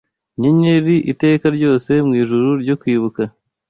Inyenyeri iteka ryose mwijuru ryo kwibuka